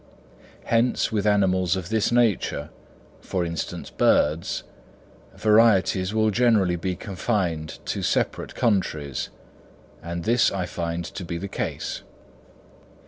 Hence with animals of this nature, for instance birds, varieties will generally be confined to separated countries; and this I find to be the case.